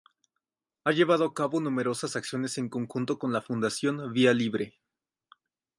Ha llevado a cabo numerosas acciones en conjunto con la Fundación Vía Libre.